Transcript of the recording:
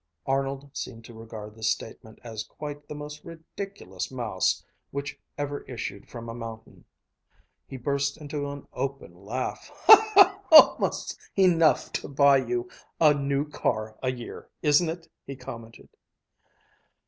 Arnold seemed to regard this statement as quite the most ridiculous mouse which ever issued from a mountain. He burst into an open laugh. "Almost enough to buy you a new car a year, isn't it?" he commented.